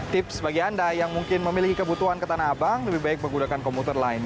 tips bagi anda yang mungkin memiliki kebutuhan ke tanah abang lebih baik menggunakan komuter lain